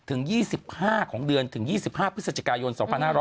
ถึง๒๕ของเดือนถึง๒๕พฤศจิกายน๒๕๖๐